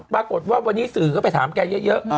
ปรากฏว่าวันนี้สื่อก็ไปถามแกเยอะ